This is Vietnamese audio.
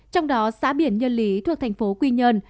trong đó xã biển nhân lý thuộc thành phố quy nhơn